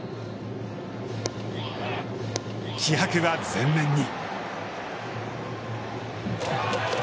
気迫は全面に。